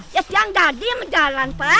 ya siang dadi menjalan pak